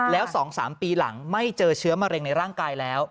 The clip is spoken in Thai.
แล้ว๒๓ปีหลังไม่เจอเชื้อมะเร็งในร่างกายแล้ว